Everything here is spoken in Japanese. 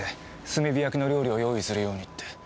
炭火焼きの料理を用意するようにって。